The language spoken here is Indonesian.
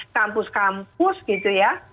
kampus kampus gitu ya